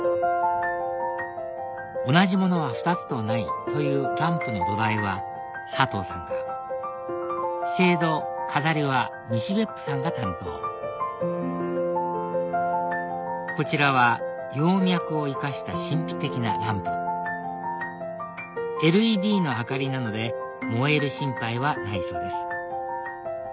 同じものは二つとないというランプの土台は佐藤さんがシェード飾りは西別府さんが担当こちらは葉脈を生かした神秘的なランプＬＥＤの明かりなので燃える心配はないそうです